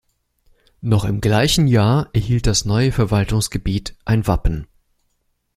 Noch im gleichen Jahr erhielt das neue Verwaltungsgebiet ein Wappen.